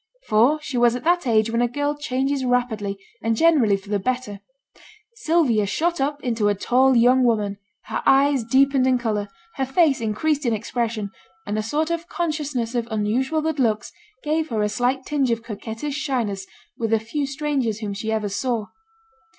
For she was at that age when a girl changes rapidly, and generally for the better. Sylvia shot up into a tall young woman; her eyes deepened in colour, her face increased in expression, and a sort of consciousness of unusual good looks gave her a slight tinge of coquettish shyness with the few strangers whom she ever saw.